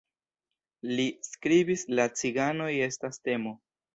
Li skribis "La ciganoj estas temo.